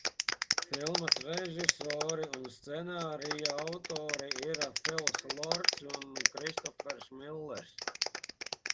Filmas režisori un scenārija autori ir Fils Lords un Kristofers Millers.